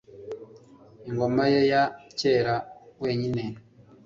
ingoma ye ya kera wenyine.